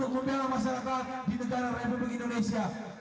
menang untuk pembeli masyarakat di negara republik indonesia